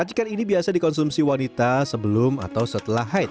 rajikan ini biasa dikonsumsi wanita sebelum atau setelah haid